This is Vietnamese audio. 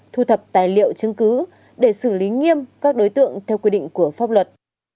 thu thập tài liệu chứng cứ để xử lý nghiêm các đối tượng theo quy định của pháp luật